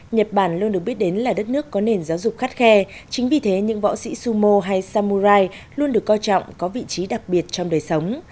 nhật bản luôn được biết đến là đất nước có nền giáo dục khắt khe chính vì thế những võ sĩ sumo hay samurai luôn được coi trọng có vị trí đặc biệt trong đời sống